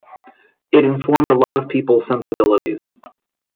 It informed a lot of people's sensibilities.